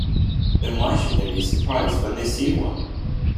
Then why should they be surprised when they see one?